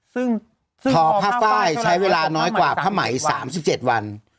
ซึ่งทอผ้าไฟล์ใช้เวลาน้อยกว่าผ้าไหม๓๗วัน